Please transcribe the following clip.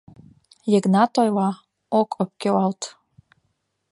— Йыгнат ойла, ок ӧпкелалт.